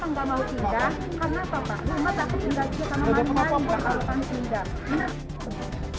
saya tidak mau tinggal karena saya ingin tinggal bersama makanan dan saya ingin tinggal